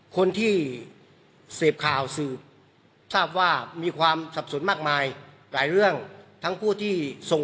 คนที่เสพข่าวสืบทราบว่ามีความสับสนมากมายหลายเรื่องทั้งผู้ที่ส่ง